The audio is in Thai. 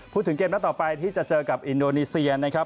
พูดถึงเกมนัดต่อไปที่จะเจอกับอินโดนีเซียนะครับ